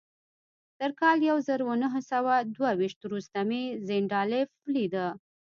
تر کال يو زر و نهه سوه دوه ويشت وروسته مې رينډالف ليده.